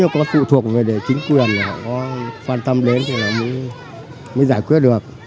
khoan tâm đến thì mới giải quyết được